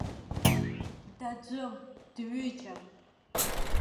Даӡәым, дҩыџьам!